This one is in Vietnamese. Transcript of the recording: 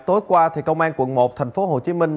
tối qua thì công an quận một thành phố hồ chí minh